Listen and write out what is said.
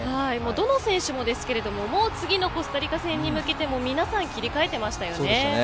どの選手もですが、もう次のコスタリカ戦に向けて皆さん切り替えていましたよね。